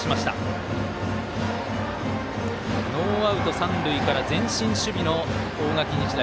ノーアウト、三塁から前進守備の大垣日大。